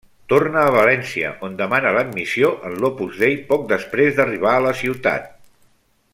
Torna a València, on demana l'admissió en l'Opus Dei poc després d'arribar a la ciutat.